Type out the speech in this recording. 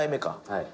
はい。